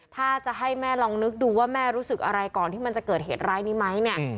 ถ้าจะให้แม่ลองนึกดูว่าแม่รู้สึกอะไรก่อนที่มันจะเกิดเหตุร้ายนี้ไหมเนี่ย